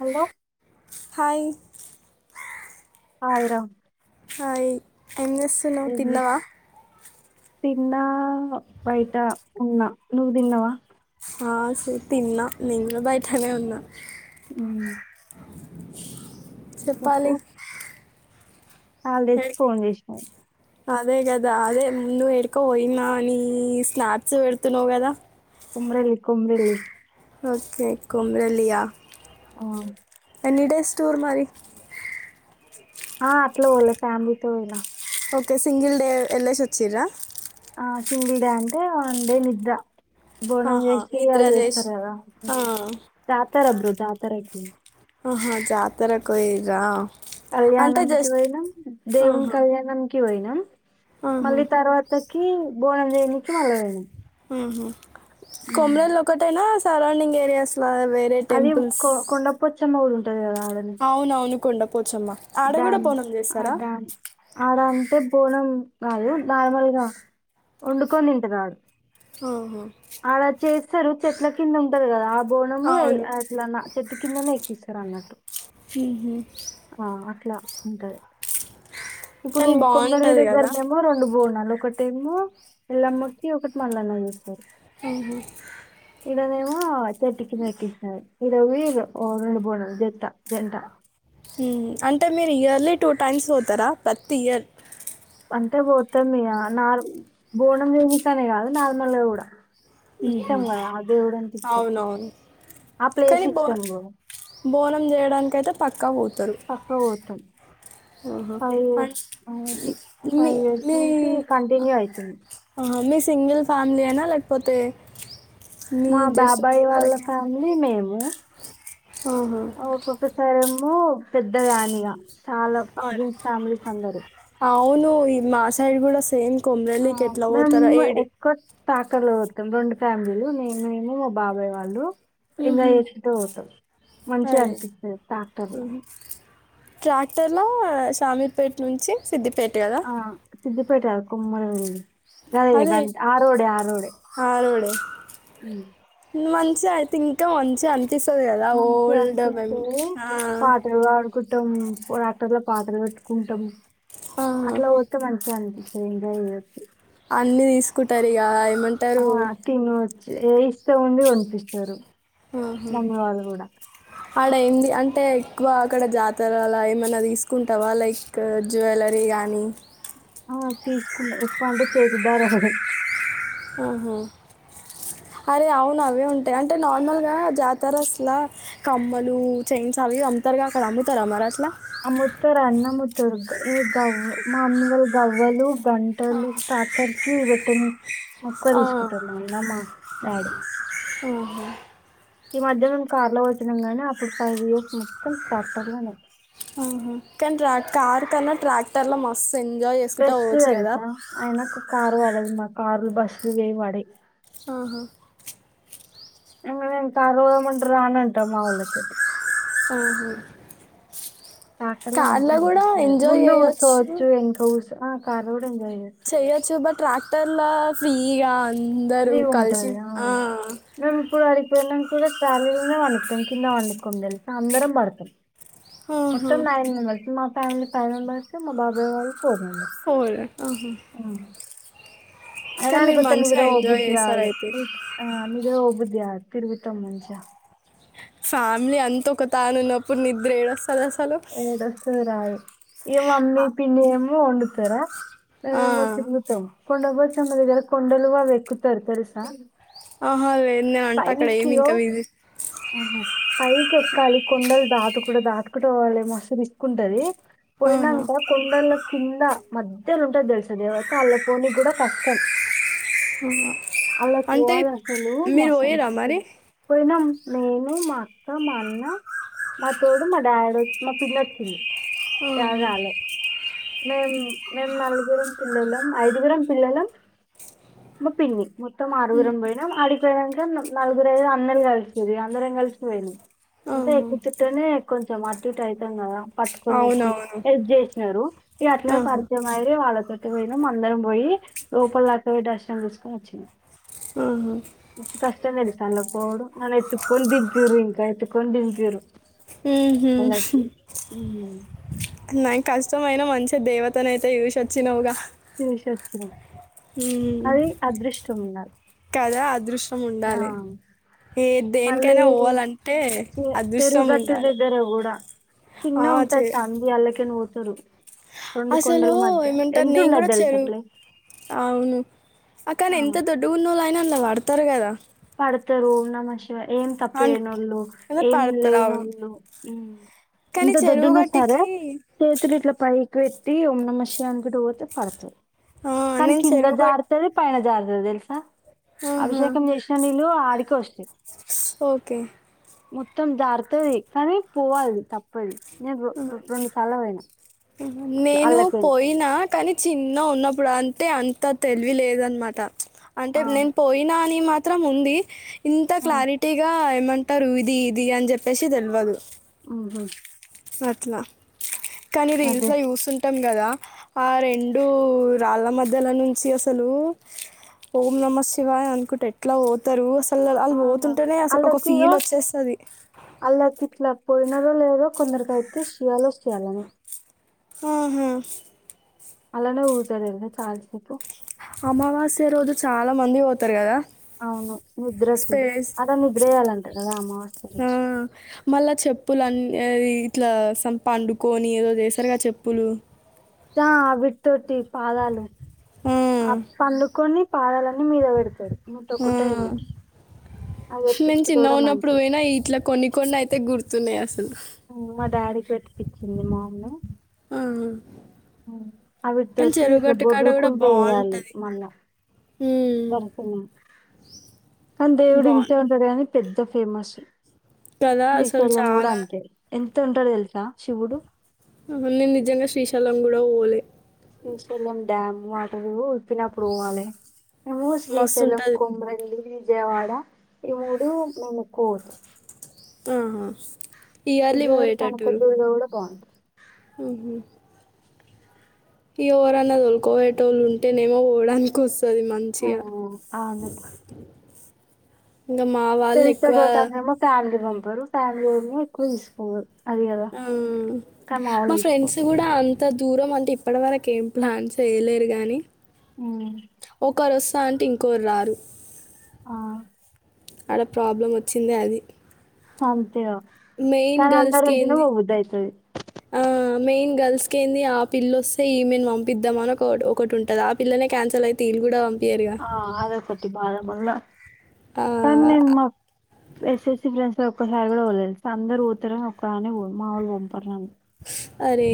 Hello hi hi రా hi ఏం చేస్తున్నవ్, తిన్నావా? తిన్నా బయటా ఉన్న, నువ్వు తిన్నావా ఆ, సరే, తిన్నా నేను గుడ బయటనే ఉన్నా ఉమ్ చెప్పాలి అల్ తెసి ఏ- ఫోన్ చేసినాను. అదే కదా అదే ముందు ఎడికో పోయినా అని స్నాక్స్ పెడుతున్నావు కదా. కుమరెల్లి కుమరెల్లి ఓకే కొమురెల్లియ అ ఎన్ని డేస్ టూర్ మరి ఆ అట్లా పోలే ఫ్యామిలీతో పోయినా ఓకే సింగిల్ డే ఎల్లేసొచిర్ర ఆ సింగిల్ డే అంటే వన్ డే నిద్ర. బోనాం ఆహా వేసి నిద్ర అవి చేసి చేస్తారు కద ఆ, [unintelligible] దాతరైకి ఆహా జాతరకు పోయిర్రా అంటే కళ్యాణం కి జస్ట్ వోయినం దేవున్ ఆహా కళ్యాణంకి కి పోయినం ఆహా మళ్ళీ తర్వాతకి బోనం జేయనికి మళ్ళ పోయినం ఆహా కొమురెల్లి ఒకటేనా సరౌండింగ్ ఏరియాస్ అది కొ కొండ పొచ్చమ్మ కుడా అవునవును కుండం పోచ్చమ్మా ఆడ కూడా డామ్ బోనం ఆ చేస్తారా డామ్ ఆడ అంటే పోనం కాదు నార్మల్గా, వండుకొని తింటరు ఆడు ఆహ సరు చెట్ల కింద ఉంటది కదా బోనం ఎల్ అవును ఎట్లా నా ఇ కిందనే ఎకస్తార్ అన్నట్టు ఫ ఆ అట్లా ఉంటది ఇప్పుడు కానీ కొమ్మలి బాగుంటుంది కదా దగ్గరనేమో రెండు బోనాలు ఒకటేమో ఇల్లమ్ ముటి ఒకటి మళ్ళన్న చేస్తారు హ్మ్ హు ఈడనేేమో చెట్టికి నెట్టేస్నార్ నీకు తెలియదు ఓ నుండి బోనాలు జేత్త జంట హ్మ్ అంటే మీరు ఇయర్లీ టూ టైమ్స్ పోతారా ప్రతి ఇయర్ అంటే బోతం ఇగా నార్ బోనం దేనికనే కాదు నార్మల్ కూడా హ్మ్ హు ఇష్టం కదా ఆ దేవుడు అంటే ఇష్టం అవునవును ఆ ప్లేస్ కానీ బోన్ ఇష్టం బ్రో బోనం చేయడానికైయితే పక్క బోదు పక్కక్ బోతం ఆహా అట్ సిక్స్ నే ఫైవ్ ఇయర్స్ నే నుంచి కంటిన్యూ అవుతుంది ఆహా మిస్ సింగిల్ ఫ్యామిలీ యేన లేకపోతే మీ మా జస్ట్ మీ బాబాయి వాళ్ళ వరకే కానీ మేము ఆహా. ఒకొక్క సారేమో మో పెద్ద దానిగా చాలా గ్రూప్ ఫ్యామిలీస్ అందరు మే మా సైడ్ కూడా సేమ్ కొమరని కట్లావ తర ఎడ్ తాకలు అతాం రెండు ఫ్యామిలీలు మే మేము మా బాబాయ్ వాళ్ళు ఎంజా మ్మ్. చేసిట్మూ పోతాం మంచిగా అదే అనిపిస్తుంది డాక్టర్లా ట్రాక్టర్ లో సామీపేట నుంచి సిద్దిపేట్ కదా సిద్ధిపట కమ్మర వెళ్ళలి అదే కద ఆరడ ఆరోడ ఆ మంచి అయితే ఇంకా మంచి అ వచ్చసద అదా మంచిగా ఓల్డ్ మె కకుాండాక్టర్ల పాత్ర కట్టుకుంటాం ఆ, అట్లా ఓతు మేడం అ స ఇంకా ఇ అన్ని తీసుకుంటారు ఇక ఆ ఏమంటారు తిను ఏ ఇస్తా ఉండి వనిపిస్తారు ఆహ ఆడ ఏంది అంటే ఎక్కువ అక్కడ జాతరలో ఏమైనా తీసుకుంటావా లైక్ జ్యువెలరీ కానీ ఆ తీసుకున్నా ఎక్కువ అంటే చేతిదారం ఆహా అరే అవును అవే ఉంటాయి అంటే నార్మల్గా జాతర అసలు కమ్మలు చైన్స్ అవి అంతారుగా అక్కడ అమ్ముతారా మరి అట్లా అముత్తరు అన్నముతుర్గ ఈ గవ్వ మామిగలు గవ్వలు గంటలు స్ాటర్కి వెట్టని [unintelligible] మొ [unintelligible] క్కు ఆ. తీసుకుంటాన్నా అందమ్మా రాడి ఈ మధ్య మేము కార్ లో వచ్చినాం గానీ అప్పుడు ఫైవ్ ఇయర్స్ మొత్తం ట్రాక్టర్ లోనే ఆహా. కానీ ట్రా కార్ కన్నా ట్రాక్టర్ లో మస్తు ఎంజాయ్ చేసుకుంటా పెస్ట్ పోవచ్చు కదా తెదుసా అయన కారు వాాలదు మా కార్ [unintelligible] బస్లువేయి మడే ఆహా అ కారవళమంటారు రానంటా మా వాళ తది [unintelligible] ఆహ డాక్టర్లు మంచిగ అనిపిస్తరు ఎంజాయ్ ముందు కూర్చోవచ్చు వెనక కూర్చోవచ్చు ఆ క [unintelligible] చెయ్యొచ్చు బట్ రా తెల్ల ఫ్రీగా [unintelligible] ఫ్రీ గ ఉంటది ఆ మేము ఇప్పుడు యాడికి పోయినా ప్పుడు ట్రాలీలోనే పండుతాం కింద వండుకొము తెలుసా అందరం పడతాం ఆహా. మొత్తం నైన్ మెంబర్స్ మా ఫ్యామిలీ ఫైవ్ మెంబర్స్ మా బబాయి వాళ్ళు ఫోర్ మెంబర్స్ అహా అయినా ఆడికి వస్తే నిద్ర పొ ఎంజాయ్ బుద్ధి చేస్తారు కాదు అయితే అ నిద్ర పొ బు యా తిరుగుతం మంచిగా ఫ్యామిలీ అంత ఒక తాను ఉన్నప్పుడు నిద్ర ఏడ వస్తది అసలు ఏడ వస్తది రాదు ఇగ మమ్మీ ఆ. పిన్ని ఎమె వొండుతరా అ ఆ. మొత్తం కి మొత్తం కొండ దగ్గర కొండలు కూడ ఎక్కుతారు తెలుసా అహా లే పైకియో అహా పైకి ఎ క్కాలి కొండలు దాటుకుంట దాటుకుంట పోవాలి మస్తు రిస్క్ ఉంటది ఆహా. పోయినాంక కొండల కింద మధ్యల ఉంటది. దేలుసా దేవత అల్లకు పోనికి కూడా కష్టం. హ్ అలా అంటే పోవాలి అసలు మీరు మస్తు పోయారా మరి పోయినాం నేను మా అక్క మా అన్న మా తోడు మా డాడీ మా పిన్ని వోచ్చింది. ఆహా. రాగాలె మేం మేము నలుగురం పిల్లలం ఐదుగురం పిల్లలం మా పిన్ని మొ త్తం ఆరుగురం పోయినం ఆడి [unintelligible] నం నలుగురే అందరు కలిసింది. ఇగ అందరం కలిసి పోయినం. అంతే ఆహా! ఎక్కుతుంట్టానే కొంచెం అటు ఇట్ ఐతాం గాదా పట్టుకొనికి అవునవును. హెల్ప్ జేసినారు ఇగ అట్లే ఆహా! పరిచయం అయిరీ వాళ్ళతోటి పోయినాం అందరం పోయి లోపల దాక పోయి దర్శనం చేసుకొని వచ్చినాం అహా మస్తు కష్టం తెలుస అల్ల కు పోవుడు నన్ను ఎత్తుకొని దింపిరు ఇంకా ఎత్తుకొని దింపిర్రు. ఉహ్ ఉమ్, నై క ష్టంమైనా మంచిగా దేవతను అయితే చూసి వోచ్చినావుగా చూసోచ్చినం అది అదృష్టం ఉండాలి. కదా అదృ ష్టం ఆ ఉండాలి ఏ మళ్ళీ దేనికైనా పోవాలంటే చె అదృష్టం ఉండాలే. చిన్నగా ఉంటాది. సంది అల్ల కేల్లి పోత్ తురు అసలు ఏమంటారు. నేను కూడా తెలుసా చెరువు ప్లేస్ అవును అ కానీ ఆ ఎంత దొడ్డు ఉన్నోలాయి అయినల్ల వాడతారు గాదా పోతారు ఓం నమ శివ ఏం తప్పు అన్ చేయానోళ్ళు కదా ఏం పడతారు. అవును. లేనోళ్ళు ఉ కానీ ఏంత చెరువు దొడ్డున్న సరే గట్టుకి చేతులు ఇట్లా పై పెట్టి ఓం నమశివాయ అననుకుంట పోతే పడతారు. ఆ! కానీ నేను కింద చెరువు గట్ జారాతది పైనా జారు నువ్వు దేలుసా ఆహా చన్నీలు ఆడికోస్తాయి. ఓకే మొత్తం జారుతుది కానీ పోవాలి తప్పదు. నేను రొ రెండు సార్లు పోయినా అట్లా నేను అల్లకని పోయినా కానీ చిన్న ఉన్నప్పు ఇప్పుడు అంటే అంత తెలివి లేదన్న మాట అంటే ఆ నేను పోయినా అని మా మాత్రం ఉంది ఇంత ఆ క్లారిటీగా ఏమ అంటారు ఇది ఇది అని చెప్పేసి తెల్వదు ఉహు అట్లా కానీ అదే రీల్స్ చూస్తుంటాం కదా ఆ రెండు రాళ్ళ మధ్యల నుంచి అసలు ఓం నమ శివాయ అనుకుంటే ఎట్లా పోతారు అ అసలు అళ్ళ ఆ పోతుంటేనే అసలు ఒక ఆళ్ళకి ఇగ ఫీల్ వచ్చేస్తది ఉన్నదో లేదో కొందరికి అయితే చెయాలో చేయాలని ఆహా అలానే ఊజ చాల చెప్పు అమావాస్య రోజు చాలా మంది పోతారు కదా అవును నిద్రకి స్పేస్ అలా నిద్ర చేయ్యాలంటారు కదా అమావాసకి ఏది ఇట్లా సంప పండుకొని ఏదో చేసారుగా చెప్పులు తావి తొటి పాదాలు ఆ పండుకొని పాదాలన్నీ మీద పెడతాడు ఆ అది నేను పెట్టించుకుంటే చిన్న కూడా ఉన్నప్పుడు మంచిది పోయినా ఇట్లా కొన్ని కొన్ని అయితే గుర్తున్నాయి అసలు తెన్ మా డాడీకి పెట్టిపిచ్చింది మా అ మ్మ ఆ అవిటి కానీ తోటి చెరువు ఇట్లా గట్టు కాడ గూడా బొర్లుకుంటూ వేయాలి బావుంటది. మళ్ళా హ్మ్. దర్శనం కానీ దేవుడు బావుం ఇంతే ఉంటారు కానీ పెద్ద ఫేమస్ కదా అసలు శ్రీశైలం చాల కూడా అంతే ఎంత ఉంటడో తెలుసా శివుడు అ నేను నిజంగా శ్రీశలం కూడా పోలే శ్రీశైలం డ్యామ్ వాటరు చెప్పినప్పుడు పోవాలి నువ్వు శ్రీశైలంకి మస్తుంటది. పో మళ్ళీ విజయవాడ ఈ మూడు మేము ఎక్కువ పోతాం ఆహా ఇయర్లీ విజయవాడ పోయేటట్టుర్రు. కనకదుర్గ కూడా బాగుంది ఎవరన్న తొలుకపోయేటోళ్ళు ఉంటే నేను పోవడానికి వస్ అది ఆ మంచిగా ఇంక మా వాళ్ళు తెలిస్తే ఎక్కువ పోతండ్రేమో కొందరు ఫ్యామిలీని ఎక్కువ తీసుకోపోరు ఆ మా ఫ్రెండ్స్ తీసుకుపోతారు గూడా అం అంత దూరం అంటే ఇప్పటి వరకు ఏం ప్లాన్స్ యేయలేరు గాని ఉ అంటే ఇంకోరు రారు ఆ ఆడ ప్రాబ్లం వచ్చిందే అది అంతే మెయిన్ కానీ గర్ల్స్కి అందరెంటనే ఏంది పోబుద్ధిఅవుతాది మెయిన్ గర్ల్స్కి ఏంది ఆ పిల్లొస్తే ఈమెను పంపిద్దామని ఒక ఒకటి ఉంటుంది ఆ పిల్లనే క్యాన్సల్ అయితే ఇది కూడా పంపించరుగా ఆ అదొకటి బాధ మళ్ళా ఆ ఎస్ ఫ్రెండ్స్ ఒక్కసారి గూడా పోలే తెల్సా అందరు పోతరని ఒక్కని మాముళలు పంపారుని అరే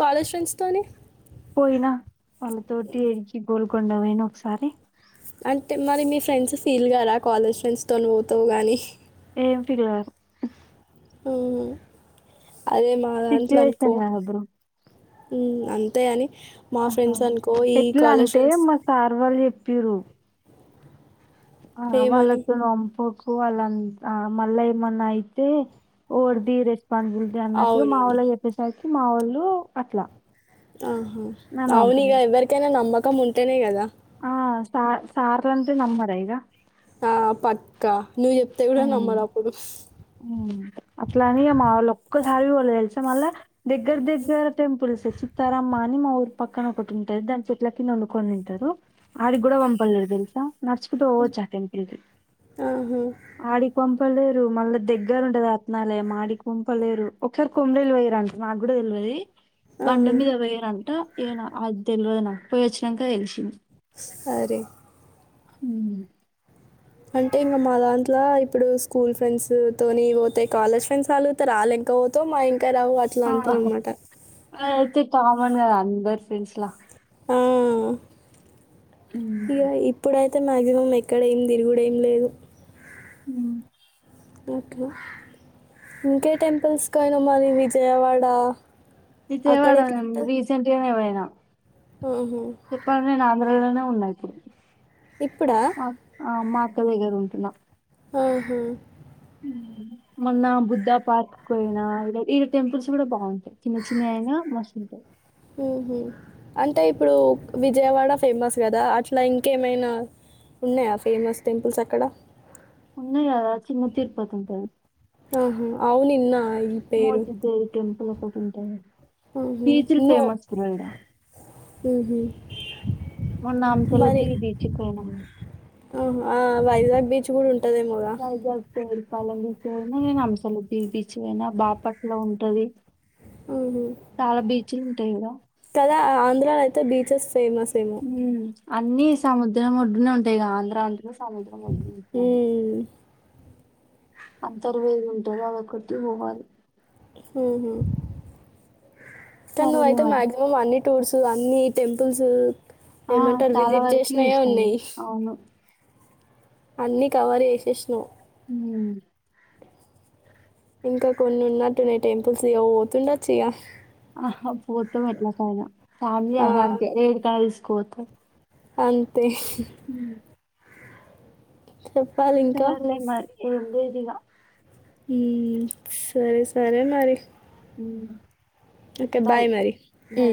కాలేజ్ ఫ్రెండ్స్తోనే పోయినా వాళ్ళతోటి కొండకు పోయిన ఒకసారి అంటే మరి మీ ఫ్రెండ్స్ ఫీల్ కారా కాలేజ్ ఫ్రెండ్స్ తో పోతావు గానీ ఏం ఫిల్ గారు అదే మా సిచువేషన్బ్ర ఉ అంతే అని మా ఆహా ఫ్రెండ్స్ అనుకో ఈ ఎట్లా కాలేజ్ అంటే ఫ్రెండ్స్ మా సార్ వాళ్ళు జెప్ పిరు ఆ ఏమని? వాళ్ళతో నంపు హూ ఆలంత ఆ మల్లయమన అయితే ఊర్దిరె పంగులుది అన్నట్టుగ మా అవునవును. వొళ్ళకి చెప్పేసా మా వాళ్ళు అట్లా ఆహా నన్ను అవునిగ పంపలేదు ఎవ్వరికైనా నమ్మక కమ్ ఉంటేనే కదా ఆ సార్ సార్ అంతే నమ్మరా ఇగ ఆ పక్క నువ్వు చెప్తే గూడా నమ్మరప్పుడు అట్లాని ఇగ మా వాళ్ళు ఒక్కసారి వాళ్ళు తెలుసా మళ్ళా దగ్గర దగ్గర టెంపుల్స్ చిత్తారామ్మ అని మా ఊరి పక్కన ఒకటి ఉంటారు దాని చెట్ల కింద వండుకొని ఉంటారు ఆడి కూడా పంపలేదు తెలుసా నడుచుకుంటూ పోవచ్చా ఆ టెంపుల్‌కి ఆహా! ఆడిక పంప క్కలేరు మళ్ళ దగ్గర ఉండది అత్నాలే మాడి కుంపలేరు ఒకసారి కొమరలు పోయా రాండి నాకు కూడా తెలవాది బండ ఆహా! మీద పోయిరాంటా ఏనా అది తెలియదు నాక పోయయి వచ్చినాక తెలిశింది సరే ఉమ్ అంటే ఇంకా మా దాంట్లో ఇప్పుడు స్కూల్ ఫ్రెండ్స్ తోని పోతే కాలేజ్ ఫ్రెండ్స్ అలుగుతారు అలెనుకా పోతేవ మా క్క రావు అట్లా అంటావు అన్నమాట తి కామన్ కదా అందర్ ఫ్రెండ్స్లా ఉమ్. ఆయ్య ఇప్పుడయి అయితే మాయాక్సిమం ఎక్కడ ఏమి తిరుగుడు ఏం లేదు ఉమ్ ఓకే ఇంకే టెంపుల్స్ కా అయినా మరి విజయవాడా విజయవాడ రీసెంట్‌గానే పోయిన నా ఆహా. చెప్పండి నేన్ ఆంధ్రలో ఆ ఉన్నది ఇప్పుడా మా ఆ మా ఆక్క దగ్గర ఉంటున్నా ఆహా ఉమ్ మొన్న బుద్ధ పార్క్ పోయినా ఇలా టెంపుల్స్ కూడా బాగుంటా చిన్న చిన్న ఆయనా మస్ ఉంటే ఉహుమ్ అంటే ఇప్పుడు విజయవాడ ఫేమస్ కదా అట్లా ఇంకేమైనా ఉన్నాయా ఫేమస్ టెంపుల్స్ అక్కడ ఉనాయి కదా చిన్న తిరుపతి ఉంటాది ఆహా అవును ఇనా ఈ పేరు పోతుంటే ఉహుమ్ నో ఉహుమ్ మొన్న మరి అంశలదివి బీచ్ పోయినాం ఆ వైజాగ్ బీచ్ కూడా ఉం వైజాగ్ తుమ్ల్ పాలం బీచ్ అయినా నేను అంశాలు బి బీచ్ అయినా బాపట్ల ఉంటది ఉహుమ్ చాలా బీచ్లు ఉంటాయి ఈడ కదా ఆంధ్రలో థే బీచెస్ ఫేమస్ ఏమో ఉమ్, అన్ని సముద్రం ఒడ్డునే ఉంటాయి ఇగా ఆంధ్ర అంట సముద్రం ఒడ్డునే ఉంటాయి మ్మ్. అంతర్వేది ఉంటది అదొక్కటి పోవాలి హుహు తను సరేలే అయితే మరి మాక్సిమం అన్నింటికి టూర్స్ అన్ని టెంపుల్స్ ఆ ఏమంటారు చాలా విజిట్ వరకు చేసినవే చూసినాను ఉన్నాయి అవును అన్నీ కవర్ చేసేసినా హ ఇంకా కొన్ని ఉన్నట్టునే టెంపుల్స్ పోతుండచ్చు ఇక ఆ పోతూ ఎట్లకైనా ఖాళీ ఆ, అంతే ఏడు కాల్స్ కోత అ తే ఇంకా సరేలే ఏంది ఇగా హమ్ సరే సరే మరి ఉ ఓకే బాయ్ మరి అ